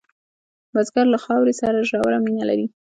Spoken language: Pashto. بزګر له خاورې سره ژوره مینه لري